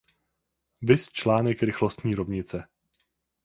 Viz článek rychlostní rovnice.